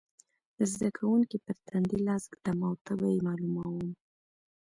د زده کوونکي پر تندې لاس ږدم او تبه یې معلوموم.